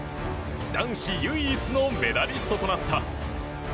男子唯一のメダリストとなった。